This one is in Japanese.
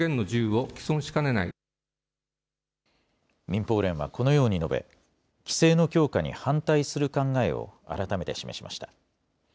民放連はこのように述べ規制の強化に反対する考えを改めて示しました。